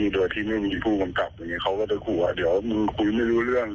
โดยที่ไม่มีผู้กำกับเขาก็จะคงถ้าคุยไม่รู้เรื่อง